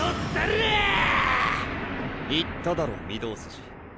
言っただろ御堂筋。